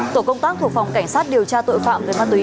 tổ công tác thuộc phòng cảnh sát điều tra tội phạm về ma túy